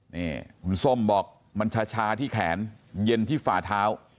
นี่คุณส้มบอกมันชาที่แขนเย็นที่ฝ่าเท้า